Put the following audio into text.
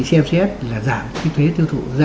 xem xét là giảm cái thuế tiêu thụ